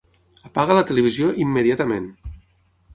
Apaga la televisió immediatament!